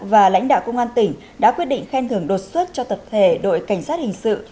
và lãnh đạo công an tỉnh đã quyết định khen thưởng đột xuất cho tập thể đội cảnh sát hình sự